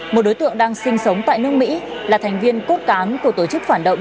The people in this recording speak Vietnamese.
một đối tượng đang sinh sống tại nước mỹ là thành viên cốt cán của tổ chức phản động